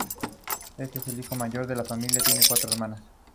El puente se ubica al sur del núcleo de Canfranc Pueblo.